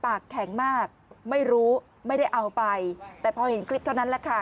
ปากแข็งมากไม่รู้ไม่ได้เอาไปแต่พอเห็นคลิปเท่านั้นแหละค่ะ